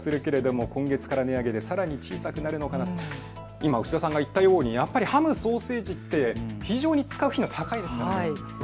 今、牛田さんが言ったようにハム、ソーセージって非常に使う頻度が高いですよね。